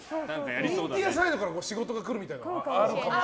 ミンティアサイドから仕事が来るとかあるかも。